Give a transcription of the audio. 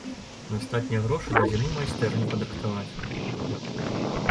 На астатнія грошы да зімы майстэрню падрыхтаваць.